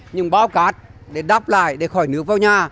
những báo cát để đắp lại để khỏi nước vào nhà